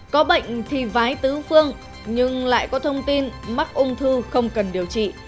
có bệnh thì vái tứ phương nhưng lại có thông tin mắc ung thư không cần điều trị